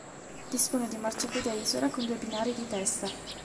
Dispone di un marciapiede a isola con due binari di testa.